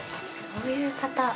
どういう方？